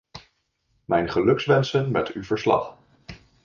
Mijn gelukwensen met uw verslag.